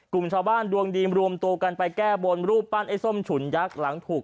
กลุ่มชาวบ้านดวงดีรวมตัวกันไปแก้บนรูปปั้นไอ้ส้มฉุนยักษ์หลังถูก